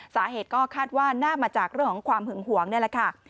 สาเหตุก็คาดว่าน่าจะมาจากเรื่องของความหึงหวงนี่แหละค่ะ